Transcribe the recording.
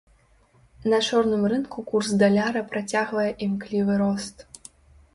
На чорным рынку курс даляра працягвае імклівы рост.